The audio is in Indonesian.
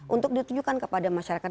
untuk ditunjukkan kepada masyarakat